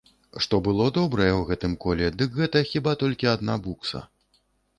Што было добрае ў гэтым коле, дык гэта хіба толькі адна букса.